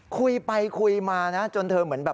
คุยไปคุยมานะจนเธอเหมือนแบบ